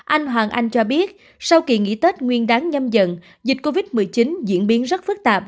anh hoàng anh cho biết sau kỳ nghỉ tết nguyên đáng nhâm dần dịch covid một mươi chín diễn biến rất phức tạp